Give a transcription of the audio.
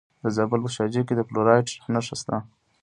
د زابل په شاجوی کې د فلورایټ نښې شته.